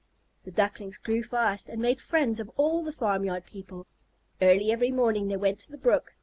The Ducklings grew fast, and made friends of all the farmyard people. Early every morning they went to the brook.